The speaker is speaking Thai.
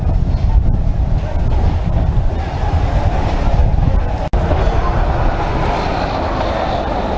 เมื่อเวลาอันดับสุดท้ายมันกลายเป็นภูมิที่สุดท้าย